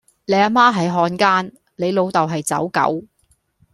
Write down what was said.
你阿媽係漢奸，你老竇係走狗